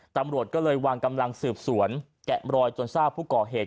ตำรวจก็เลยวางกำลังสืบสวนแกะมรอยจนทราบผู้ก่อเหตุ